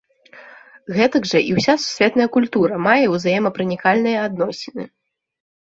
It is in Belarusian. Гэтак жа і ўся сусветная культура мае ўзаемапранікальныя адносіны.